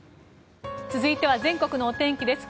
続いては全国のお天気です。